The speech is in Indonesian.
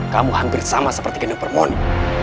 kamu hampir sama seperti gendong permoni